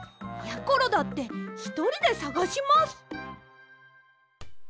やころだってひとりでさがします。